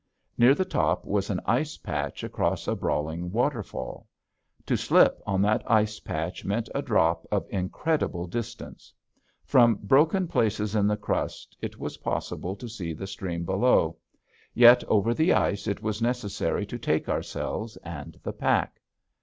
Near the top was an ice patch across a brawling waterfall. To slip on that ice patch meant a drop of incredible distance. From broken places in the crust it was possible to see the stream below. Yet over the ice it was necessary to take ourselves and the pack.